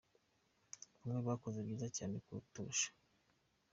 Bamwe bakoze byiza cyane kuturusha.